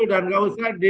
dan tidak usah di